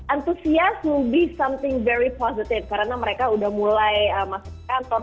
antusias mo be something very positive karena mereka udah mulai masuk kantor